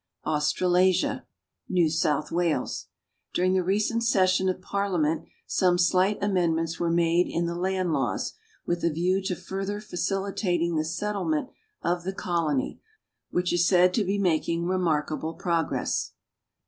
AUSTRALASIA New South Wales. During the recent session of parliament some slight amendments were made in the land laws, with a view to further facilitating the settlement of the colony, which is .said to be making re markable progress.